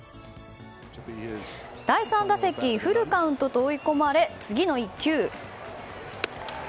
第３打席フルカウントと追い込まれ次の１球。